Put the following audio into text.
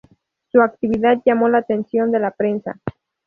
Su actividad llamó la atención de la prensa.